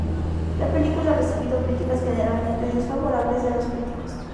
La película ha recibido críticas generalmente desfavorables de los críticos.